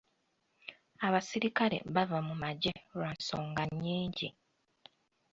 Abaserikale bava mu magye lwa nsonga nnyingi.